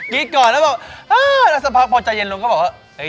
กรี๊ดก่อนแล้วบอกแล้วสัดพักเมื่อสัดเย็นก็บอก